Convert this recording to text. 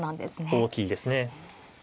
大きいですね。